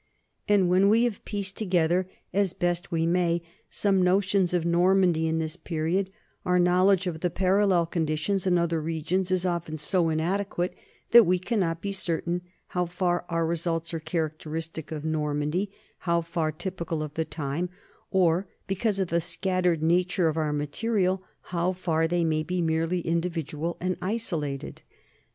And when we have pieced together as best we may some notions of Normandy in this period, our knowledge of the parallel conditions in other regions is often so inadequate that we cannot be certain how far our results are characteristic of Normandy, how far typical of the time, or, because of the scattered nature of our material, how far they may be merely individual and isolated.